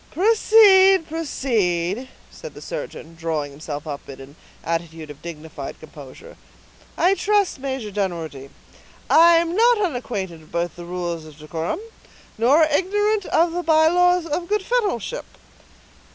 "Proceed, proceed," said the surgeon, drawing himself up in an attitude of dignified composure. "I trust, Major Dunwoodie, I am not unacquainted with the rules of decorum, nor ignorant of the by laws of good fellowship."